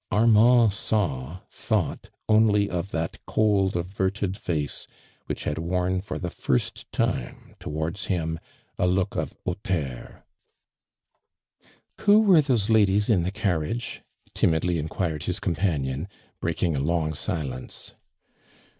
Armand saw — thought only of that cold averted face which hail worn for wr 42 ARMAND DUKAKD. the firs*'. tim« to^vat*ds him a look of hauteur. " Who were those ladies in the carriage ?" timidly inquired his compainion, breaking a long silence.